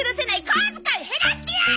小遣い減らしてやる！！